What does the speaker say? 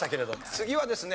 次はですね